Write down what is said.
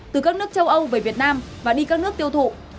từ các nước châu âu về việt nam và đi các nước tiêu thụ